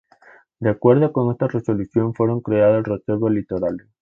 De acuerdo con esta resolución fueron creados Reservas Litorales.